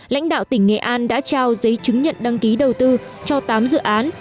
lãnh đạo tỉnh nghệ an đã trao giấy chứng nhận đăng ký đầu tư cho tám dự án